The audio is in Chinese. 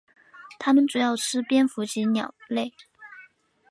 它们主要吃蝙蝠及鸟类。